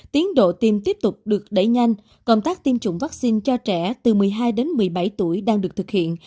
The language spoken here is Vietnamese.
tiến độ tiêm tiếp tục được đẩy nhanh công tác tiêm chủng vaccine cho trẻ từ một mươi hai đến một mươi bảy tuổi đang được thực hiện